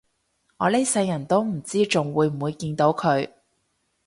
我呢世人都唔知仲會唔會見到佢